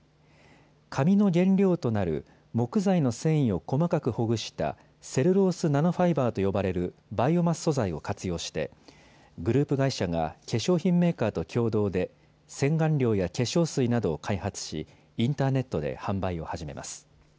紙の原料となる木材の繊維を細かくほぐしたセルロースナノファイバーと呼ばれるバイオマス素材を活用してグループ会社が化粧品メーカーと共同で洗顔料や化粧水などを開発しインターネットで販売を始めます。